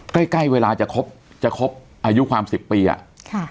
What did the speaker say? ใกล้เวลาจะครบจะครบอายุความ๑๐ปีอ่ะ